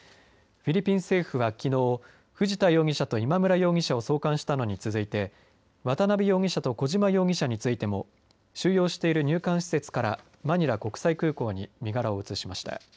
フィリピン政府はきのう藤田容疑者と今村容疑者を送還したのに続いて渡邉容疑者と小島容疑者についても収容している入管施設からマニラ国際空港に身柄を移しました。